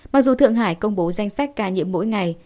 mặc dù thượng hải công bố danh sách ca nhiễm mỗi ngày